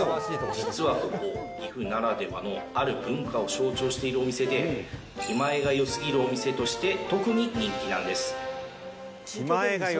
実はここ、岐阜ならではのある文化を象徴しているお店で、気前が良すぎるお店として特に人気なんです。